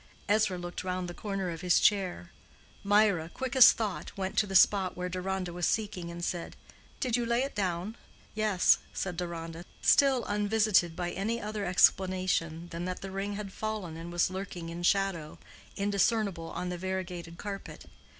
Ezra looked round the corner of his chair. Mirah, quick as thought, went to the spot where Deronda was seeking, and said, "Did you lay it down?" "Yes," said Deronda, still unvisited by any other explanation than that the ring had fallen and was lurking in shadow, indiscernable on the variegated carpet.